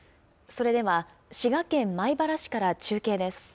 それでは、滋賀県米原市から中継です。